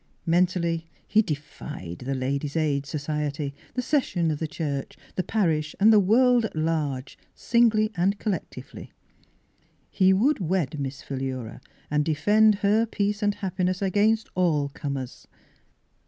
Mentally, he defied the Ladies' Aid So ciety, the Session of the church, the par ish and the world at large, singly and col lectively. He would wed Miss Philura, and defend her peace and happiness against all comers.